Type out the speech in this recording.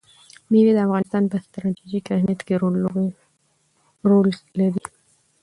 مېوې د افغانستان په ستراتیژیک اهمیت کې رول لري.